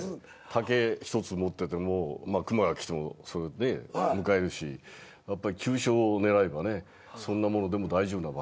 竹一つ持ってても熊が来ても向かえるし急所を狙えばそんなものでも大丈夫な場合がある。